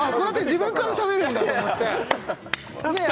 自分からしゃべるんだと思ってねえ